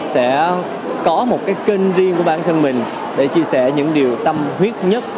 sẽ có một cái kênh riêng của bản thân mình để chia sẻ những điều tâm huyết nhất